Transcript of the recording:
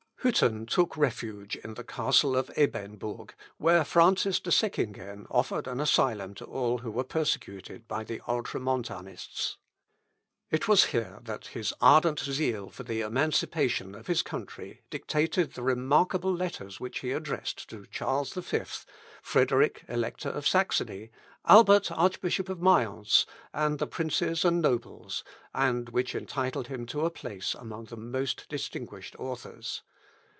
Hütten took refuge in the castle of Ebernbourg, where Francis de Seckingen offered an asylum to all who were persecuted by the Ultramontanists. It was here that his ardent zeal for the emancipation of his country dictated the remarkable letters which he addressed to Charles V, Frederick Elector of Saxony, Albert Archbishop of Mayence, and the princes and nobles, and which entitle him to a place among the most distinguished authors.